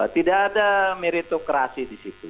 tidak ada meritokrasi di situ